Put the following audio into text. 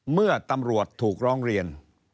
เมื่อตำรวจถูกร้องเรียน